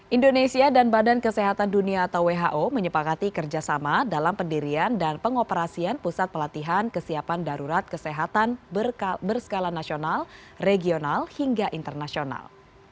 indonesia dan badan kesehatan dunia atau who menyepakati kerjasama dalam pendirian dan pengoperasian pusat pelatihan kesiapan darurat kesehatan berskala nasional regional hingga internasional